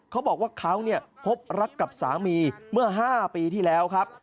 เขาบอกว่าเขาพบรักกับสามีเมื่อ๕ปีที่แล้วครับ